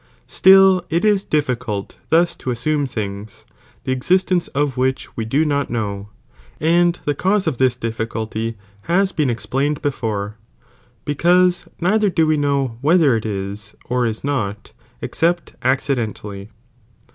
Still it is difficult thus to smune things, the existence of which we do not know, and the cause of this diiflculty has been explained before, because neither do we know whether it is or is not, except accidentally.